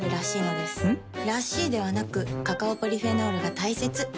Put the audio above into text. ん？らしいではなくカカオポリフェノールが大切なんです。